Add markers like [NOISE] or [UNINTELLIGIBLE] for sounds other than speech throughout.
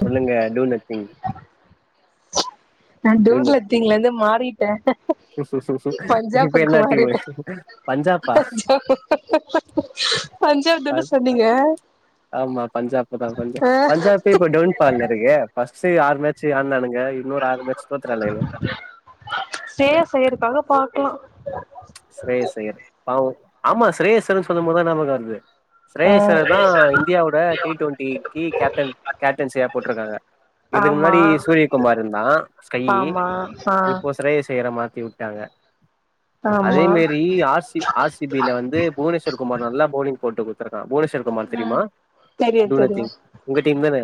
சொல்லுங்க two nothing நா two நதிங்லேருந்து மாறிட் [UNINTELLIGIBLE] இப்ப பஞ்சாப்புக்கு என்ன டீமு மாரிட்டேன் பஞ்சாபா பஞ்சாப் பஞ்சாப் தானே ப- சொன்னீங்க ஆமா பஞ்சாப் தான் பஞ்சாப் ஆஹ் பஞ்சாபே இப்ப டவுன் ஃபால்ல இருக்கே ஸு ஆறு மேச்சு ஆட்னானுங்க ஏ இன்னூரு ஆறு மேச்சு தோத்துட்டானுங்க ஆ சேர் சேர் பவ் ஆமா சிரேஸ்சர்ன்னு சொல்லும்போதான் ஞாபகம் வருது ம் ஸ்ரேயஸ்ர்சன்ன தான் இந்தியாவோட டி டுவெண்டிக்கு கேப்டன் கேப்டன்சியா போட்டிருக்காங்க இதுக்கு ஆமா முன்னாடி சூரியகுமார் இருந்தான் ஸ்கையி ஆமா ஆ இப்போ ஸ்ரேயர்ஸ்ஸய்ர மாத்தி த்தி விட்டாங்க ஆமா அதேமாரி ஆர் சி ஆர் சி பில வந்து புவனேஸ்வர் குமார் நல்லா போலிங் போட்டு கொடு புவனேஸ்வர் குமார் தெரியுமா தெரியு டூ தெரியு நத்திங் உங்க டீம் தானே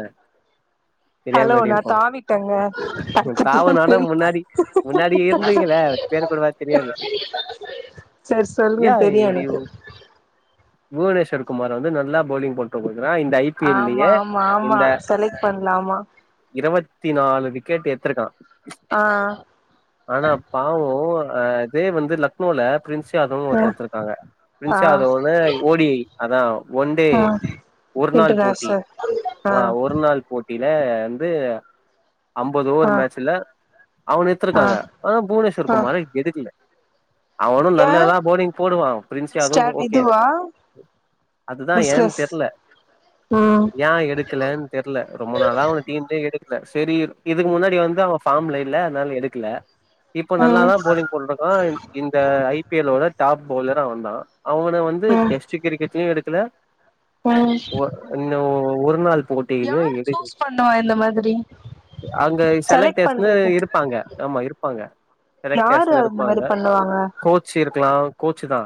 ஹலோ நான் தாவிட்டேங்க அட்த டீம் தாவுனால முன்னாடி முன்னாடி இருந்தீங்கள பேர் கூடவா தெரியாது செரி சொல்லுங்க ஏ தெரியாது இப்டி எனக்கு புவனேஸ்வர் குமார் வந்து‌ நல்லா போலிங் போட்டு போய் தான் இந்த ஐ பி எல் ஆமா லயே ஆமா ஆமா இந்த செலக்ட் பண்லாமா இருபத்தி நாலு விக்கெட் ஏட்த் த்திருக்கா ஆ ஆனா பாவோம் ஆஹ் அதே வந் லக்னோல பிரின்ஸ் யாதவ் ஒருத்த ம் எத்துருக்காங்க ஆ பிரின்ஸ் யாதவ்வோட ஓடி அதான் ஒன்டே ஆ ஒரு நாள் போட்டி இன்டர்நேஷனல் ஆ அ ஒரு நாள் போட் ப்பில வந்து அம்பது ஓவர் ஆ மேட்சல அவன் ஆ எத்துருக்காங்க ஆனா புவனேஸ்வர் ஆ குமார எடுக்கல அவனும் ஏ நல்லதான் பௌலிங் போடுவான் பிரின்ஸ் யாதவ் ஓகே அதுதான் ஏன் தெர்ல ம் ஏன் எடுக்கலன்னு தெர்ல ரொம்ப நாளா அவன டீம்லே எடுக் இல்ல செரி இதுக்கு முன்னாடி வந்து அவன் ஃபார்ம்ல இல்ல அதனால எடுக்கல இப்ப ம் நல்லாதான் பௌலிங் போட்ன்ருக்க அஹ் இந்த ஐ பி எல் லோட டாப் பவ்லர் அவன் தான் அவன வந்து ம் டெஸ்ட்டு கிரிக்கட்டெ எடு இல ம் ஒர் என்ன ஒ ஒரு நாள் போட்டியிலு யாரு எடு சூஸ் பண்ணுவா இந்த மாதிரி அங்க செலக்ட் செலக்டர்ஸ்னுனா பண்றது இருப்பாங்க ஆமா இருப்பாங்க யாரு செலக்டர்ஸ்னுனா இரு அந்த மாரி ப்பாங்க பண்ணுவாங்க கோச் இருக்கலா கோச் ச்சுதா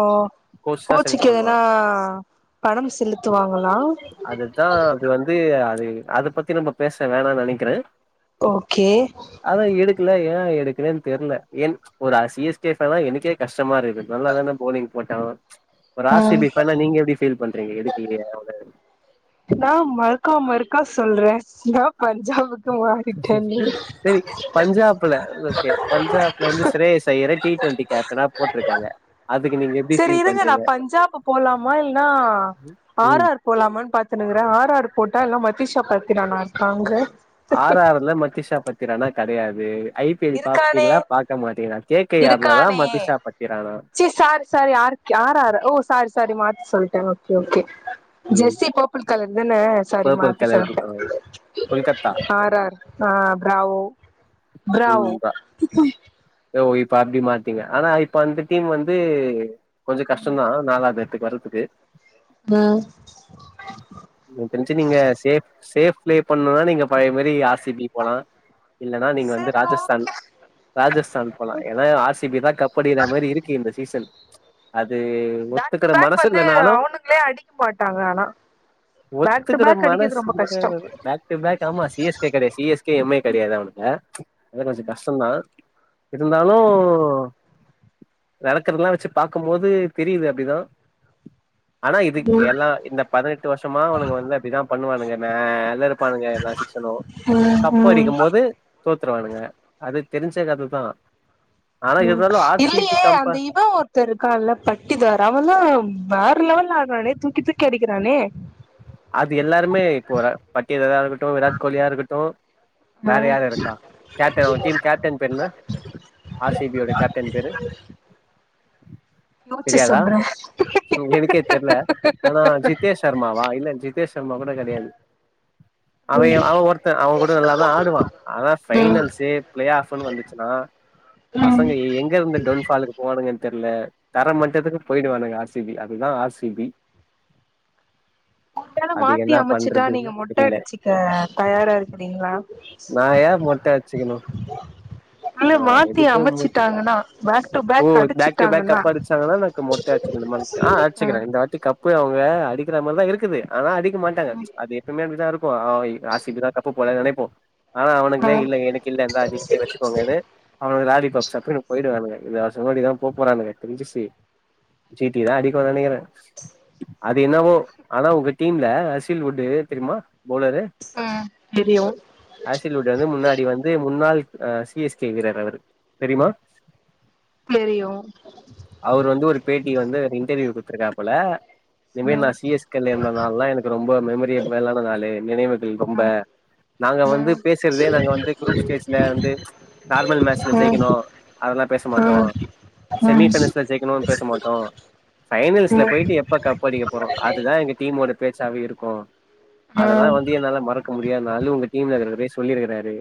ஓ கோச்சிக்கு பண்ணுவா எதன்னா பணம் செலுத்துவாங்களா அதுதா அது வந்து அது அத பத்தி நம்ம பேச வேணானு நெனைக்கற ஓகே அதான் எடுக்கல ஏ ஏ எடுக்கலேன்னு தெர்ல என் ஒரு சி எஸ் கே ஃபேனா எனக்கே கஷ் ம்மா இருக்குது நல்லாதான பெளலிங் போட்டோ ச்சு ஒரு ஆர் சி ம் பி ஃபேன்னா நீங்க எப்டி ஃபீல் பண்றீங்க எதுக்கு இங்கயே வந்து நா மற்க்கா மற்க்கா சொல்ற நா பஞ்சாபுக் சேரி பஞ்சாப்ல ஓகே பஞ்சாப்ல இருந்து ஸ்ரேஸ் அய்யர டி டொண்ட்டி கேப்டனா போட்ருக்காங்க அதுக்கு நீங்க எப்டி சேரி ஃபீல் இருங்க நா பண்றீங்க பஞ்சாப்பு போலாமா இல்ன்னா ஆர் ம் ஆர் போலாமனு பாத்துனுங்கற ஆர் ஆர் போ உட்டா எல்லா மத்திஷா பத்திரானா இருக்காங்க ஆர் ஆர்ல மத்தி சா பத்திராணா கடயாது இருக்கானே கே கே ஆர்லதா இருக்கானே மதிஷா பத்திரானா செரி சாரி சாரி ஆரு ஆர் ஆறு ஓ சாரி ச சாரி மாத்தி சொல்ட ஓகே ஓகே ம் ஜெஸ்ஸி போப்பள் கலரு தான சாரி பர்பிள் மாத்தி கலர் சொல்ட ஆ கொல்கத்தா ஆர் ஆர் ஆஹ் ப்ராவோ ம் ப்ராவோ பா ஓ இப்ப அப்டி மாத்தீங்க ஆனா இப்ப அந்த டீம் வந்து கொஞ்சோ கஷ்டோம்தா நாலாவது எடத்துக்கு வர துக்கு ம் எனக் தெரிஞ்சி நீங்க சேஃப் சேஃப் பிளே பண்ணுனா நீங்க பழைய மாரி ஆர் சி பி போலா இல்லனா நீங்க வந்து சரி ராஜஸ்தான் ஓகே ராஜஸ்தான் போலா எனா ஆர் சி பி தா கப்படிக்குற மாரி இருக்கு இந்த சீசன் ச்சு அது அது பேக் டு ஒத்துக்கற பேக் மனசு வந்து இல்லனாலு அவனுங்களே அடிக்க மாட்டாங்க ஆனா பேக் டு ஒத்துக்கற பேக் மனசு அடிக்கிறது ரொம்ப இல்ல கஷ்டோ பேக் டூ பேக் ஆமா சி எஸ் கே கெடையாது C S K, M I கெடையாது அவனுங் க அதா கொஞ்சோ கஷ்டந்தா இருந்தாலு நடக்கறதல்லா வச்சு பாக்கும்போது தெரியுது அப்டிதா ஆனா இது எல்லா இந்த பதினெட்டு வருஷமா அவனுங்க வந்து அப்படிதா பண்ணுவானுங்க மேல இருப்பானுங்க எல்லா சீஷனும் ம் கப்பு ம் அடிக்கும் போது தோத்துருவானுங்க அது தெரிஞ்ச கததா ஆனா உம் இருந்தாலு ஆர் சி பி இல்லையே கம்ப அந்த இவன் ஒருத்த இருக்கான்ல பட்டிதாரா ஆனா வேற லெவல்ல ஆடுறானே தூக்கி தூக்கி அடிக்கிறானே அது எல்லாருமே இப்போ பட்டிதாரா இருக்கட்டு விராட் கோலியா இருக்கட்டு வேற ம் யாரு இருக்கா கேப்டன் அவன் டீம் கேப்டன் பேரு என்ன ஆர் சி பியோட கேப்டன் பேரு யோச்சு தெரியாதா சொல்றே எனக்கே தெர்ல ஆனா ஜித்தேஷ் சர்மாவா இல்ல ரோஹித் சர்மா கூட கெடையாது அவன் அவ ஒருத்தன் அவ கூட நல்லா ஆடுவா ஆனா ம் பைனல்சு ப்ளே ஆப்னு வந்துச்சுனா பசங்க எங்க இருந்து க்ரௌன்ட்பால் போவானுங்கனே தெர்ல தர மட்டதுக்கு போயிடுவானுங்க ஆர் சி பி அதுதா ஆர் சி பி ஒரு வேல அது மாத்தி என்ன அமைச்சுட்டா பண்றதுன்னு நீங்க மொட்ட தெரில அடிச்சிக்க தயாரா இருக்குறீங்களா நா ஏன் மொட்ட அடுச்சிகணு இல்ல ஆஹ் மாத்தி எதுக்கு மொ அமைச்சிட்டாங்கன்னா பேக் டு ஓ பேக் டு பேக் அடிச்சுட்டாங்கன்னா கப் அடிச்சாங்கன்னாக்கு மொட்ட அடிச்சுகணுமா ஆஹ் ம் அடிச்சுக்குறே இந்த வாட்டி கப்பு அவங்க அடிக்கிற மாரிதா இருக்குது ஆனா அடிக்க மாட்டாங்க அது எப்புமே அப்படிதா இருக்கு இப்போ ஆர் சி பி தா கப்பு போல நெனைப்போ [UNINTELLIGIBLE] ஆனா அவனுகளே ம் இல்ல எனக்கு இல்ல இந்தா நீங்களே வச்சுக்கோங்கன்னு அவனுக லாலிபப் சாப்டுகுனு போயிடுவானுக இந்த வருஷமு வெளியதா போ போறானுங்க தெரிஞ்சிருச்சி ஜி டி தா அடிக்கு நெனைக்கிற அது என்னவோ ஆனா உங்க டீம்ல ரசில் உட்டு தெரியுமா பவுலரு ம் தெரியு ஆசில் உட் வந்து முன்னாடி வந்து முன்னாள் அ சி எஸ் கே வீரர் அவரு தெரியுமா தெரியு ம் அவரு வந்து ஒரு பேட்டி வந்து ரிவ் து ரிவ்யு குடுத்துருக்கா போல இதுமேரி நா சி ம் எஸ் கே ல இருந்த நாள்லா எனக்கு ரொம்ப மெமரியபிலான நாளு நினைவுகள் ரொம்ப க ம் வந்து ம் பேசுறதே நாங்க வந்து குரூப் ஸ்டேஜ்ல வந்து நார்மல் மேட்ச்ல ஜெயிக்கணு அதெல்லா பேச ம் மாட்டோ ம் செமி பைனல்ஸ்ல ஜெயிக்கணு பேச மாட்டோ ஃபைனல்ஸ்ல போயிட்டு ம் எப்ப கப் அடிக்க போறோ அதுதா எங்க டீமோட பேச்சாவே இருக்கு அதெல்லா ம் வந்து என்னால மறக்க முடியாத நாளு உங்க அதுல போய் சொல்லி இருக்குறாரு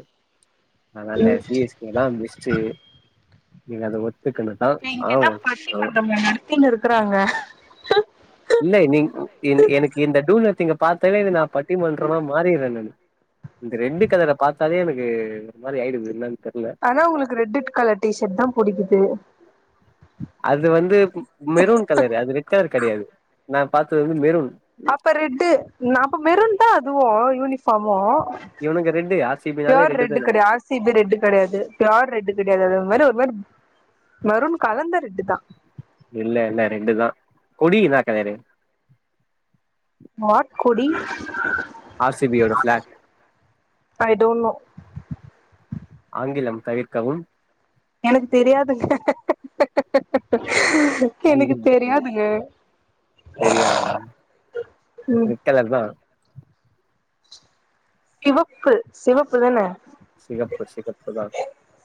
ஆனல்ல சி எஸ் கே தா பெஸ்டு நீங்க அது ஒத் துக்கனதா இப்ப ஆ இங்கன்னா பட்டிமன்றம் நடத்தின்னு இருக்கறாங்க இல்ல நீ எனக்கு இந்த டூலத் இங்க பாத்தாலே இத நா பட்டிமன்றமா மாறிறே நானு இந்த ரெண்டு கலர பாத்தாலே எனக்கு ஒரு மாரி ஆயிடுது என்னேனு ஆனா உங்களுக்கு ரெட்டிட் கலர் டிஷர்ட் தா புடிக்குது அது வந்து கு மெரூன் கலரு அது ரெட் கலர் கெடையாது நா பாத்தது வந்து மெரூன் அப்ப ரெட்டு நா அப்ப மெரூன்தா அ இதுவு யூனிஃபாமு இவனுங்க ரெட்டு ஆர் சி பி னாலே பியோர் ரெட்டு தான கெடையாது ஆர் சி பி ரெட்டு கெடையாது பியோர் ரெட்டு கெடையாது அது ஒரு மாரி ஒரு மெரூன் கலந்த ரெட்டு தா இல்ல இல்ல ரெட்டுதா கொடி என்னா கலரு வாட் கொடி ஆர் சி பி-யோட ஃபிளாக் ஐ டோன்ட் நோ ஆங்கிலம் தவிர்க்கவும் எனக்கு தெரியாதுங்க எனக்கு ஆங்கிலம் தவிர் தெரியாதுங்க தெரியாதா உம் ரெட் கலர் தா சிவப்பு சிவப்பு தானே சிகப்பு சிகப்புதா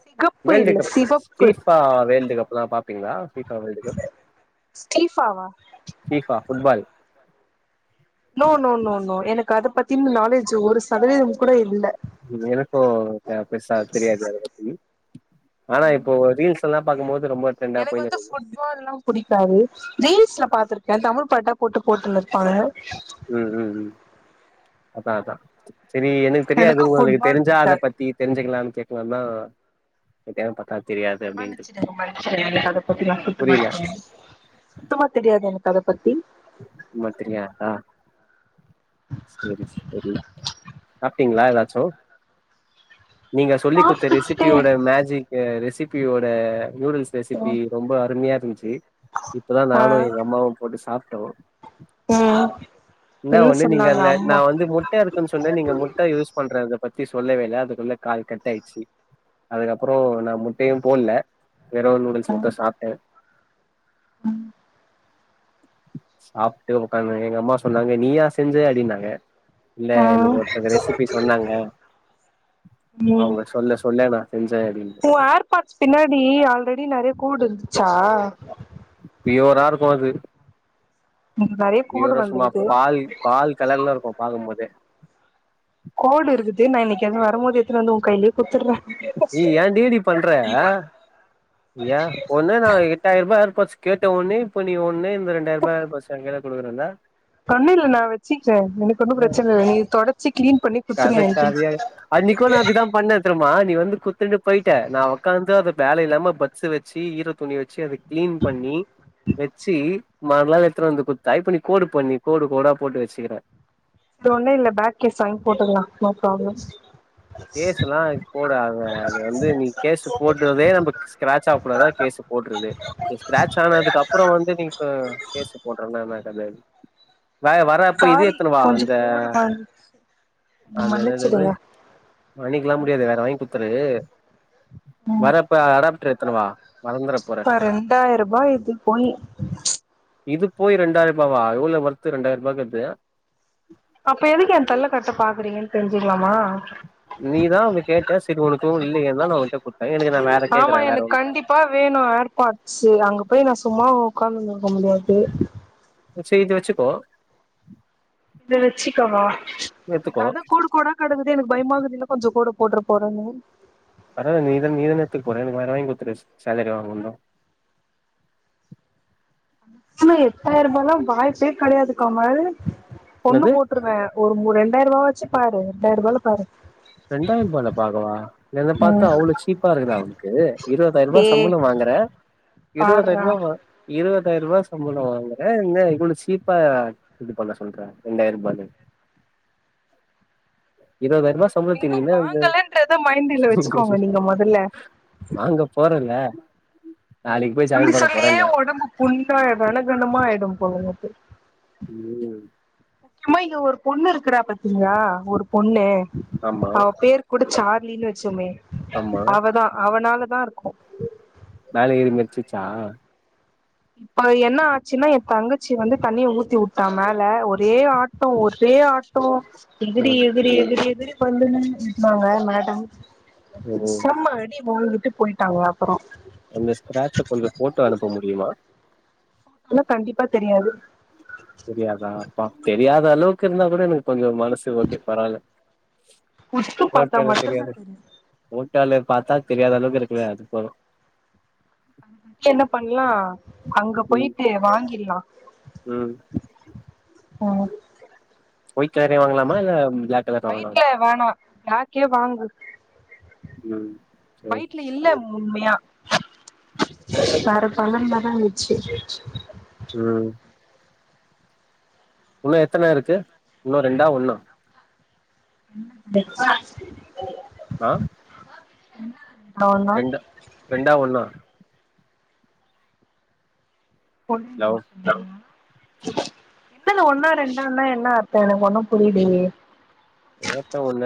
சிகப்பு இல்ல வேல்டுகப் ஃபி சிவப்பு பா வேல்டு கப்புலா பாப் ப்பீங்களா ஃபி பா வேல்டுகப் ஸ்டீஃபாவா FIFA football no no no no எனக்கு அத பத்தியும் நாலேஜ் ஒரு சதவீதோ கூட இல்ல எனக்கு பெ பெருசா தெரியாது அத பத்தி ஆனா இப்போ ரீல்ஸ் எல்லா பாக்கும்போது ரொம்ப ட்ரெண்டா எனக்கு வந்து போயினுருக்குது ஃபுட்பால்லா பிடிக்காது ரீல்ஸ்ல பாத்திருக்கே தமிழ் பாட்டா போட்டு போட்டு நிர்ப்பாங்க உம் உம் உம் அதா அதா செரி எனக்கு தெரியாது அது உங்களுக்கு ஃபுட்பால் தெரிஞ்சா அத புடிக்காது பத்தி தெரிஞ்சுக்கலானு கேக்கலானுதா [UNINTELLIGIBLE] மன்னுச்சுடுங்க மன்னுச்சுருங்க எனக் அத பத்தினா சுத்தமா புரில [UNINTELLIGIBLE] சுத்தமா தெரியாது எனக் அதபத்தி மத்திரியாகா சேரி சேரி அ ட்டீங்ளா எதாச்சு நீங்க சொல்லி குத்த சாப்டுட்டே ரெசிபியோட மேஜிக்கு ரெ ரேசிபியோட நூடுல்ஸ் ரெசிபி ரொம்ப அருமயா ருன்ச்சு இப்பதா ஆ நானு எங்க அம்மாவு போட்டு சாப் ட்டோ ம் இன்னா என்ன ஒண்ணு நீங்க சொன்னாங்க அல்ல நா அம்மா வந்து முட்ட இருக்குன்னு சொன்னே நீங்க முட்ட யூஸ் பண்றது பத்தி சொல்லவேல அதுக்குள்ள கால் கட் ஆயிட்ச்சி அதுக்கப்புறோ நா முட்டையு போல்ல வெறு நூடுல்ஸ் மட்டு சாப்ட்டே உம் சாப்ட்டு உக்காந்து எங்க அம்மா சொன்னாங்க நீயா செஞ்ச அப்டின்னாங்க இல்ல ஆ எனக்கு ஒருத்தங்க ரெசிபி சொன்னாங்க ம் அவுங்க சொல்ல சொல்ல நா செஞ்சே அப்பிடின்டு உ கூடு இருந்துச்சா பியோரா இருக்கு‌ அது எனக்கு நெறைய நீ கோடு வர சும்மா வந்துருது பால் பால் கலர்ல இருக்கு பாக்கு போதே கோடு இருக்குது நா இன்னக்கி அங்க வரும்மோது எத்துன் வந்து ஊ கைலேயே குத்துர்றே இ ஏன்டி இப்டி பண்ற ஏ ஒன்த நா எட்டாயருபா ஏர்பாட்ஸ் கேட்ட ஒன்னே இப்ப நீ ஒண்ணே இந்த ரெண்டாயருபா ஏர்பாட்ஸ் எங்கைல கொடுக்குறல்ல ஒண்ணு இல்ல நா வச்சுக்றே எனக்கு ஒன்னு ஆ ப்ரச்சன இல்ல நீ தொட கத கதயா அன்னிக்கொ நா இப்டி தா பண்ண தெர்மா நீ வந்து குத்துன்டு போயிட்ட நா ஒக்காந்து அத வேல இல்லாம பட்ஸு வச்சி ஈர துணி வச்சு அது க்ளீன் பண்ணி வெச்சி [UNINTELLIGIBLE] எத்துனு வந்து குட்த்தா இப்ப நீ கோடு பண்ணி கோடு கோடா போட்டு வச்சுக்கிற இது ஒண்ணு இல்ல பேக் கேஸ் வாங்கி போட்டுக்லா நோ ப்ராப்ளம் கேஸ்லா போடாத அது வந்து நீ கேஸு போட்றதே நம்ப ஸ்க்ராச் ஆவ்க்குடாதா கேஸூ போட்றது நி ஸ்க்ராச் ஆனதுக்கப்ற வந்து நீ க கேஸு போட்றனனா அதாது வே வரப்ப இது சாரி எத்தனுவா கொஞ்சோ அந்த கோடு வந்து என்ன அந்ததுஎன்னதாது மன்னிச்சிடுங்க மன்னிக்லா முடியாது வேற வாங் குத் த்ரு வரப்ப அடப் ட்ரு எத்துனு வா கா ரெண்டாயிருபா இது போயி இது போய் ரெண்டாய்ர்பாவா இவ்ள ஒர்த்து ரெண்டாய்ர்வாக்கு அது அப்ப எதுக்கு என் தல்ல கட்ட பாக்குறிங்கனு தெர்ஞ்சிக்லாமா நீதா வந்து‌ கேட்ட சரி உன்க்கூ இல்லயேன் தா நா உன்ட்ட குத்த எனக்கு நா வேற ஆமா கேக்கறே வேற எனக்கு ஒன் கண்டிப்பா வேணு உக்காந்துன்னு இருக்க முடியாது சேய்து வெச்சுக்கோ இத வச்சுக்கவா அதா கோடு கோடா கடக்குது எனக்கு பய்மாகுதுல்ல இன்னோ கொஞ்சோ கோடப் போட்றப்போ பொறனு அதான நீதன நீதன எத்துக்க போற எனக் வேர வாய்ங் குத்துரு சேலரி வாங்குண்தோ எட்டாயிர்பாலா வாய்ப்பே கேடயாதுக் கமல் கொண்ணு என்னது போட்ருவே ஒரு மூ ரெண்டாய்ரூபா வாச் ச்சி பாரு ரெண்டாய்ருபால பாரு ரெண்டாயிரூபால பாகவா என்ன பாத்தா ம் அவ்ளோ சீப்பா ருக்குதா உனுக்கு இருவதாய்ருவா ஏ சம்பளோ வாங்குற பார்றா இருவதாயிர்ருவா வா இருவ தாய்ருவா சம்பளோ வாங்குற இவ்ளோ சீப்பா இது பண்ண சொல்ற ரெண்டாயர்ரூபானு இருவதாயிர்ருவா இன்னும் வாங்கலன்றத மைண்டுல வெச்சுக்கோங்க நீங்க மோதல்ல வாங்க போறல்ல நாளைக்கு போய் சொல்லி ஜாயின் பண்ண சொல்லியே போறன்ன ஒடம்பு புண்ணா கணகணமா ஆய்டும் போல உனக்கு ம் அம்மா இங்க ஒரு பொண்ணு ருக்குறா பாத்திங்களா ஒரு பொண்ணு ஆமா அவ பேர்க் கூடச் சார் புலினு வச்சோமே ஆமா. அவதா அவனால இதாருக்கூ மோல ஏறி மெர்ச்சிச்சா இப்ப என்ன ஆச்சுன்னா என் தங்கச்சி வந்து தண்ணிய ஊத்தி உட்டா மேல ஒரே ஆட்டோ ஒரே ஆட்டோ எகுடி ம். எகுரி எகுரி எகுரி இப்ப வந்து நின்னு நிட்னாங்க மேடம் ம். செம்ம அடி போய்கிட்டு போய்ட்டாங்ளா அந்த ஸ்க்ராட்ச கொஞ்ச ஃபோட்டோ அனுப்ப முடியுமா இல்ல கண்டிப்பா தெரியாது பா தெரியாத அளவுக்கு இருந்தா கூட எனக்கு கொஞ்சோ மனசு ஓக்கே பராவால உத்து பாத்தா மட்டுந்தா தெரியு டால பாத்தா தெரியாத அளவுக்கு இருக்குல அது போது அத பத்தி என்ன பண்லா அங்க ம். போய்ட்டு வாங்கிர்லா ம். உம் ஒயிட் கலரே வாங்கலாமா? இல்ல பிளாக் கலர் வாங்கலாமா? ஒய்ட்ல வேணா பிளாக்கே வாங்கு ம். சரி, ஒய்ட்ல இல்ல சரி. உண்மயா வேற பழமதயிந்ச்சு ம் உன்னு எத்தன இருக்கு இன்னு ரெண்டா ஒன்னா [INAUDIBLE] ஆ [INAUDIBLE] ரெண்ட் ரெண்டா ஒன்னா லவ். [UNINTELLIGIBLE] எதுல ஒன்னா ரெண்டானா என்ன அர்த்தோ எனக்கு ஒண்ணு புரியலயே கேட்ட ஒன்னு